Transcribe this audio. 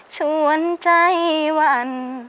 ชวนใจวัน